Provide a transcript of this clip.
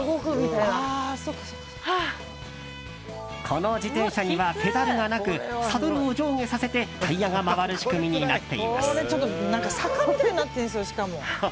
この自転車にはペダルがなくサドルを上下させてタイヤが回る仕組みになっています。